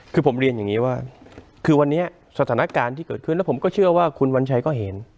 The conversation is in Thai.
คือผมเรียนอย่างนี้ว่าคือวันนี้สถานการณ์ที่เกิดขึ้นแล้วผมก็เชื่อว่าคุณวัญชัยก็เห็น